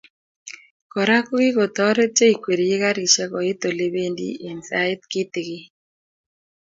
Kora kikotoret cheikwerie karisiek koit olebendi eng sait kitikin